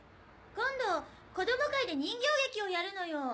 今度子供会で人形劇をやるのよ。